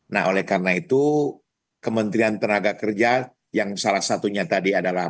nah oleh karena itu kementerian tenaga kerja yang salah satunya tadi adalah